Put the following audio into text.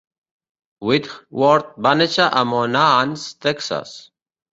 Whitworth va néixer a Monahans, Texas.